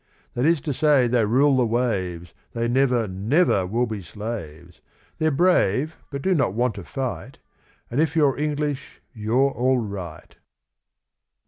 That is to say, they rule the waves, They never, never will be slaves. They're brave, but do not want to fight, And if you're English you're all right.